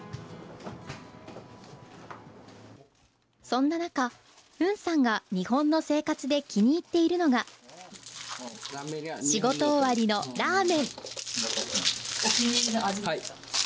そんななかフンさんが日本の生活で気に入っているのが仕事終わりのラーメン。